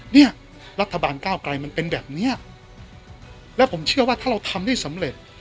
เนี่ยรัฐบาลก้าวไกลมันเป็นแบบเนี้ยแล้วผมเชื่อว่าถ้าเราทำได้สำเร็จ